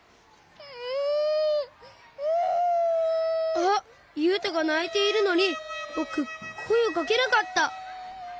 あっゆうとがないているのにぼくこえをかけなかった！